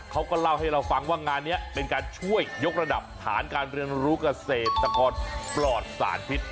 เขาก็เล่าให้เราฟังว่างานนี้เป็นการช่วยยกระดับฐานการเรียนรู้เกษตรกรปลอดสารพิษ